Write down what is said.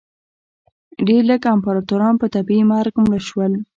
ډېر لږ امپراتوران په طبیعي مرګ مړه شول